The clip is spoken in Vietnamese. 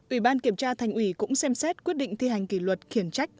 ủy ban kiểm tra thành ủy cũng xem xét quyết định thi hành kỷ luật khiển trách